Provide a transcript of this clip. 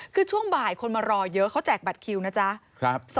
คือช่วงบ่ายคนมารอเยอะเขาแจกบัตรคิวนะจ๊ะ